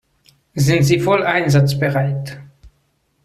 Sind Sie voll einsatzbereit?